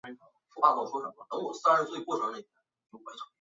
这次朗诵实际上凝聚了东海岸和西海岸的垮掉派力量。